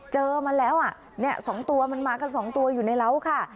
เจอมันแล้วอ่ะเนี่ยสองตัวมันมากันสองตัวอยู่ในเล้าค่ะ